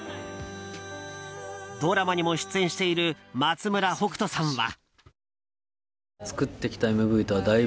ドラマにも出演している松村北斗さんは。